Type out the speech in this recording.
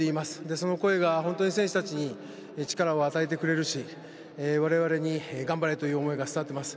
その声が本当に選手たちに力を与えてくれるし我々に頑張れという思いが伝わっています。